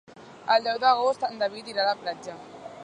El deu d'agost en David irà a la platja.